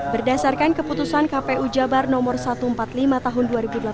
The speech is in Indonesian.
berdasarkan keputusan kpu jabar nomor satu ratus empat puluh lima tahun dua ribu delapan belas